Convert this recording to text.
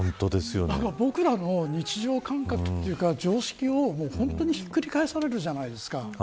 僕らの日常感覚というか常識を本当にひっくり返されるじゃないですか。